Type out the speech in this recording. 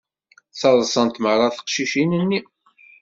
Ttaḍsant meṛṛa teqcicin-nni.